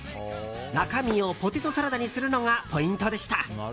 中身をポテトサラダにするのがポイントでした。